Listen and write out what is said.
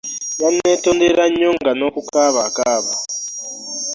Yanneetondera nnyo nga n'okukaaba akaaba.